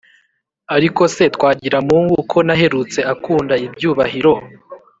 Ariko se Twagiramungu, ko naherutse ukunda ibyubahiro,